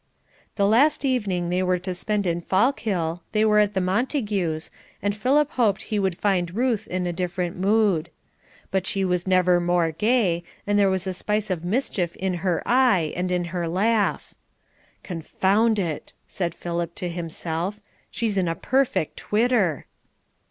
The last evening they were to spend in Fallkill, they were at the Montagues, and Philip hoped that he would find Ruth in a different mood. But she was never more gay, and there was a spice of mischief in her eye and in her laugh. "Confound it," said Philip to himself, "she's in a perfect twitter."